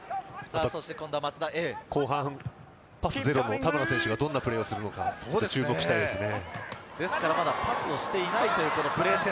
後半、パス０の田村選手がどんなプレーをするのか注目したいですね。